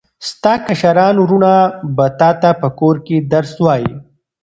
ستا کشران وروڼه به تاته په کور کې درس ووایي.